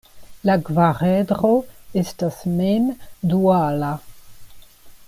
La kvaredro estas mem duala.